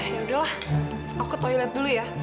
yaudah lah aku ke toilet dulu ya